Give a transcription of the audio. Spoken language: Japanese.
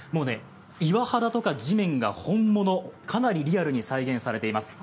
岩肌とか地面が本物、かなりリアルに再現されています。